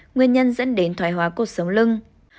nguyên nhân dẫn đến thoài hóa cột sống lưng